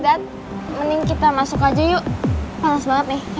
mending kita masuk aja yuk panas banget nih